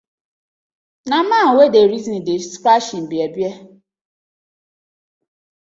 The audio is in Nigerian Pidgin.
Na man wey dey reason dey scratch im bear-bear.